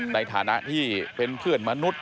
ในฐานะที่เป็นเพื่อนมนุษย